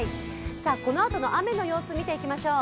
このあとの雨の様子を見ていきましょう。